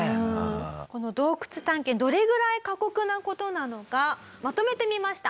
この洞窟探検どれぐらい過酷な事なのかまとめてみました。